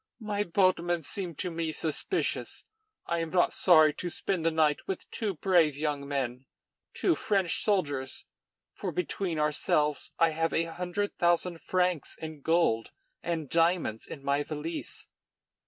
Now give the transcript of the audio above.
My boatmen seem to me suspicious. I am not sorry to spend the night with two brave young men, two French soldiers, for, between ourselves, I have a hundred thousand francs in gold and diamonds in my valise."